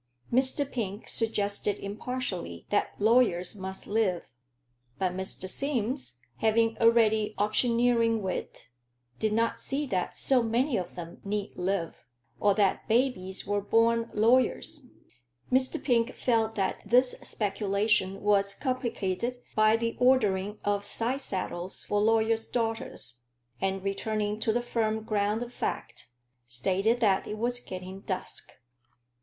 Mr. Pink suggested impartially that lawyers must live; but Mr. Sims, having a ready auctioneering wit, did not see that so many of them need live, or that babies were born lawyers. Mr. Pink felt that this speculation was complicated by the ordering of side saddles for lawyers' daughters, and, returning to the firm ground of fact, stated that it was getting dusk.